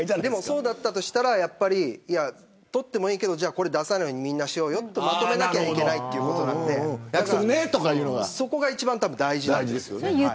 そうだったとしたら撮ってもいいけど出さないようにみんなしようよとまとめなきゃいけないのでそこが一番大事だと思います。